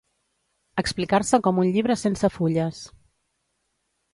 Explicar-se com un llibre sense fulles.